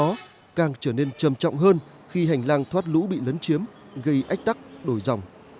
hành lang trở nên trầm trọng hơn khi hành lang thoát lũ bị lấn chiếm gây ách tắc đổi dòng